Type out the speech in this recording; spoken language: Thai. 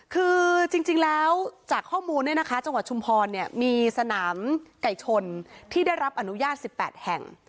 คือจริงแล้วจากข้อมูลเนี่ยนะคะจังหวัดชุมพรมีสนามไก่ชนที่ได้รับอนุญาต๑๘แห่ง